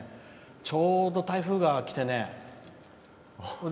ちょうど台風がきて。